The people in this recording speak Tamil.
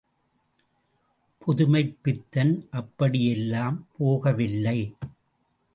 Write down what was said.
புதுமைப்பித்தன் அப்படியெல்லாம் போகவில்லை.